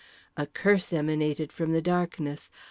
A curse emanated from the darkness.